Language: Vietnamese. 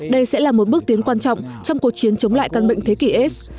đây sẽ là một bước tiến quan trọng trong cuộc chiến chống lại căn bệnh thế kỷ s